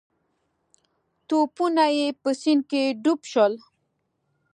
توپونه یې په سیند کې ډوب شول.